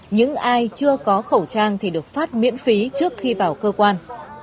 những ai chưa có khẩu trang thì được phát miễn phí trước khi vào cơ quan